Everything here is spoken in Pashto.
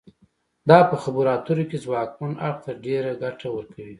دا په خبرو اترو کې ځواکمن اړخ ته ډیره ګټه ورکوي